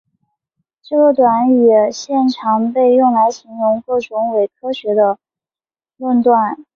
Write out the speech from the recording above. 这个短语现常被用来形容各种伪科学的论断。